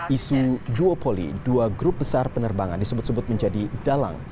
isu duopoly dua grup besar penerbangan disebut sebut menjadi dalang